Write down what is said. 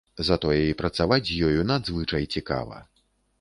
Затое і працаваць з ёю надзвычай цікава.